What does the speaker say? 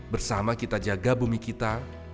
bersama kita jaga bumi kita